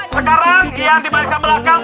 sekarang gian di barisan belakang